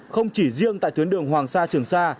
không chỉ riêng tại tuyến đường hoàng sa trường sa